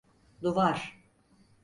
Duvar.